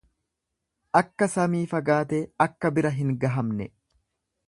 Akka samii fagaatee, akka bira hin gahamne